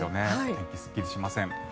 天気はすっきりしません。